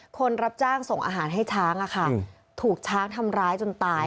คนรับจ้างส่งอาหารให้ช้างถูกช้างทำร้ายจนตาย